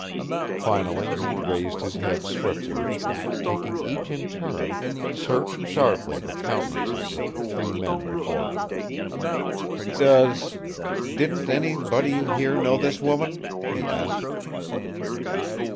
Finally, he raised his head swiftly and, taking each in turn, searched sharply the countenances of the three men before him. "Does didn't anybody here know this woman?" he asked.